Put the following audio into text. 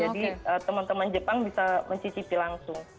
jadi teman teman jepang bisa mencicipi langsung